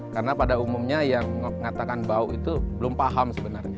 karena pada umumnya yang mengatakan bau itu belum paham sebenarnya